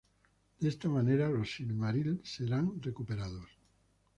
De esta manera, los Silmaril serán recuperados.